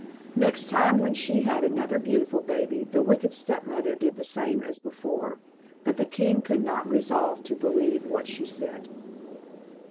Next time, when she had another beautiful baby, the wicked stepmother did the same as before; but the king could not resolve to believe what she said.